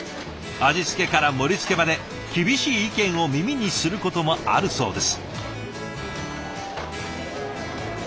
味付けから盛りつけまで厳しい意見を耳にすることもあるそうです。